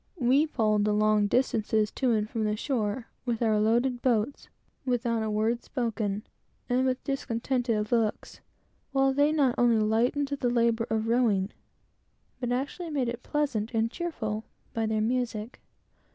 We pulled the long distances to and from the shore, with our loaded boats, without a word spoken, and with discontented looks, while they not only lightened the labor of rowing, but actually made it pleasant and cheerful, by their music.